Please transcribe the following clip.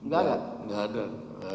gak ada gak ada ya mulia